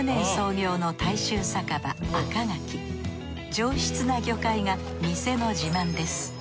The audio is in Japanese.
上質な魚介が店の自慢です。